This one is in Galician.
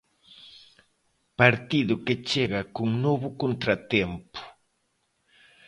Partido que chega cun novo contratempo.